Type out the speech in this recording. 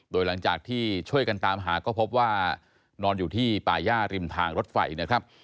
โดยหลังจากที่ช่วยกันตามหาก็พบว่านอนอยู่ที่ป่าย่าริมทางรถไฟนะครับ